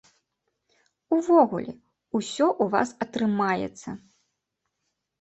Увогуле, усё ў вас атрымаецца.